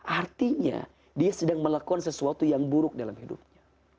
artinya dia sedang melakukan sesuatu yang buruk dalam hidupnya